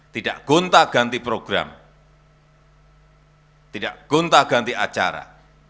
tidak gonta ganti program tidak gonta ganti acara